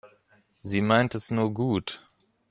Sie meint es nur gut.